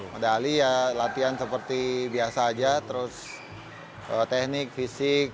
medali ya latihan seperti biasa aja terus teknik fisik